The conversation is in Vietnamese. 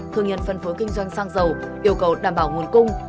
thương nhân phân phối kinh doanh xăng dầu yêu cầu đảm bảo nguồn cung